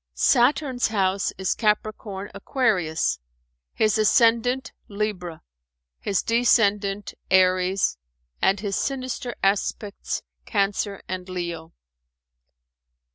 Saturn's house is Capricorn Aquarius, his ascendant Libra, his descendant Aries and his sinister aspects Cancer and Leo.